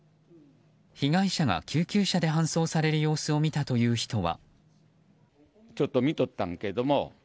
被害者が救急車で搬送される様子を見たという人は。